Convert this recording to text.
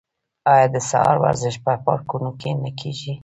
آیا د سهار ورزش په پارکونو کې نه کیږي؟